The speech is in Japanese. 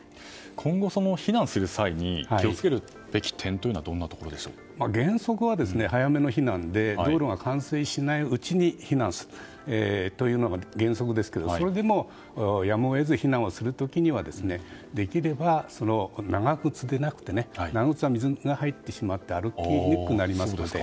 今後、避難する際に気を付けるべき点は原則は早めの避難で道路が冠水しないうちに避難するというのが原則ですけれども、それでもやむを得ず避難をする時にはできれば長靴ではなくて長靴は水が入ってしまって歩きにくくなりますのでね。